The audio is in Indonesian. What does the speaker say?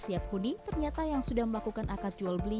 siap huni ternyata yang sudah melakukan akad jual beli